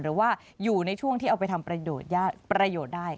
หรือว่าอยู่ในช่วงที่เอาไปทำประโยชน์ประโยชน์ได้